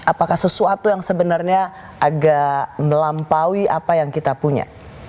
apakah sesuatu yang sebenarnya agak melampaui apa yang kita punya